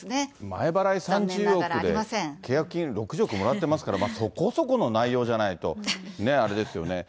前払い３０億で契約金６０億もらってますので、そこそこの内容じゃないと、ねえ、あれですよね。